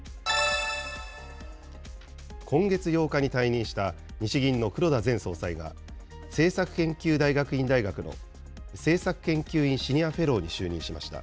今月８日に退任した日銀の黒田前総裁は、政策研究大学院大学の政策研究院シニアフェローに就任しました。